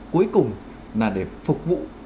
cuối cùng là để phục vụ